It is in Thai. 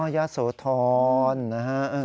อ๋อยะโสธรนะฮะ